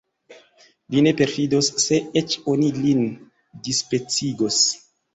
Li ne perfidos, se eĉ oni lin dispecigos!